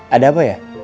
ada apa ya